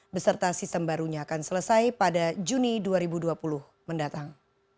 beserta sistem barunya akan selesai pada juni dua ribu dua puluh mendatang